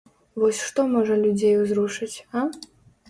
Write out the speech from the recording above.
Вось што можа людзей узрушыць, а?